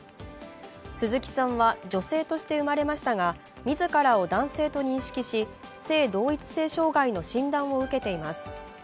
鈴木さんは女性として生まれましたが自らを男性と認識し性同一性障害の診断を受けています。